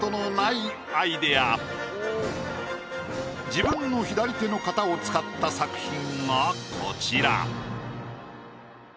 自分の左手の形を使った作品がこちら。